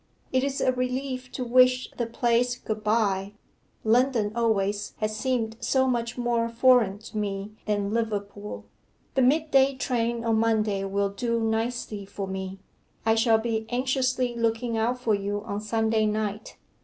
It is a relief to wish the place good bye London always has seemed so much more foreign to me than Liverpool The mid day train on Monday will do nicely for me. I shall be anxiously looking out for you on Sunday night.